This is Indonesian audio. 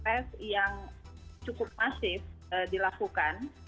tes yang cukup masif dilakukan